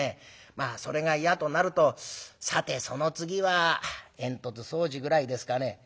まあそれが嫌となるとさてその次は煙突掃除ぐらいですかね」。